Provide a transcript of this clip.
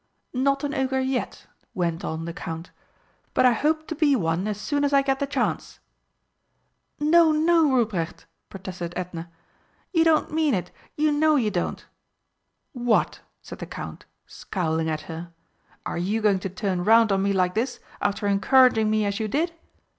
"Not an Ogre yet," went on the Count. "But I hope to be one as soon as I get the chance." "No, no, Ruprecht!" protested Edna. "You don't mean it you know you don't!" "What!" said the Count, scowling at her. "Are you going to turn round on me like this, after encouraging me as you did?"